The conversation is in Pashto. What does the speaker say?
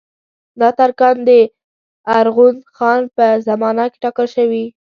دا ترکان د ارغون خان په زمانه کې ټاکل شوي.